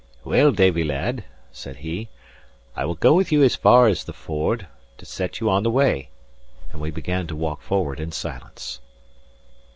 "Well, Davie, lad," said he, "I will go with you as far as the ford, to set you on the way." And we began to walk forward in silence.